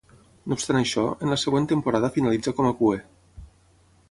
No obstant això, en la següent temporada finalitza com a cuer.